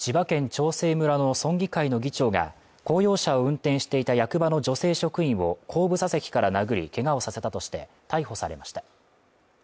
長生村の村議会の議長が公用車を運転していた役場の女性職員を後部座席から殴りけがをさせたとして逮捕されました。